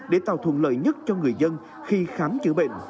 để tạo thuận lợi nhất cho người dân khi khám chữa bệnh